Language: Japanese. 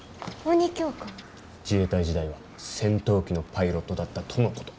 自衛隊時代は戦闘機のパイロットだったとのこと。